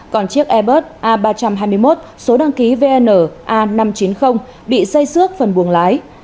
còn chiếc airbus a ba trăm hai mươi một số đăng ký vn a năm trăm chín mươi bị xây xước phần buồng lái